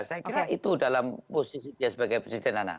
saya kira itu dalam posisi dia sebagai presiden anak